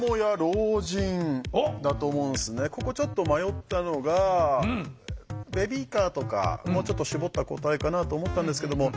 ここちょっと迷ったのがベビーカーとかもうちょっと絞った答えかなと思ったんですけども。